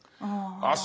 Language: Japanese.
ああ。